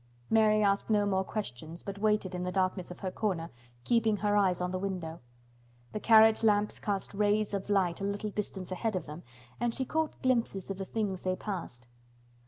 Mary asked no more questions but waited in the darkness of her corner, keeping her eyes on the window. The carriage lamps cast rays of light a little distance ahead of them and she caught glimpses of the things they passed.